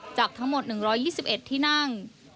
จากทั้งหมด๑๒๑ที่นั่ง